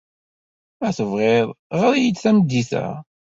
Ma tebɣiḍ, ɣer-iyi-d tameddit-a.